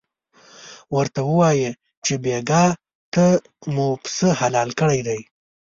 ورته ووایه چې بېګاه ته مو پسه حلال کړی دی.